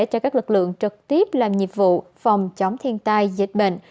cho các lực lượng trực tiếp làm nhiệm vụ phòng chống thiên tai dịch bệnh